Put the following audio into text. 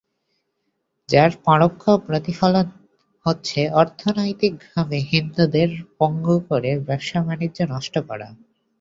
যার পরোক্ষ প্রতিফলন হচ্ছে অর্থনৈতিকভাবে হিন্দুদের পঙ্গু করে ব্যবসা-বাণিজ্য বিনষ্ট করা।